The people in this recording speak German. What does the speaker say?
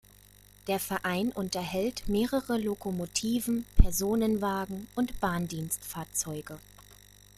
Der Verein unterhält mehrere Lokomotiven, Personenwagen und Bahndienstfahrzeuge.